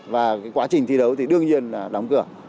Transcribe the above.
và quá trình thi đấu thì đương nhiên là đóng cửa